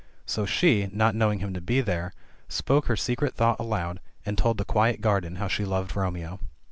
So she — not knowing him to be there — spoke her secret thought aloud, and told the quiet garden how she loved Romeo.